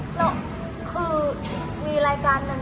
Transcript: แล้วคือมีรายการหนึ่ง